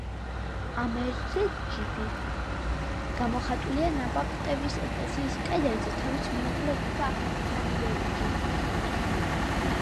ამირეჯიბი გამოხატულია ნაბახტევის ეკლესიის კედელზე თავის მეუღლე რუსა ამირეჯიბთან ერთად.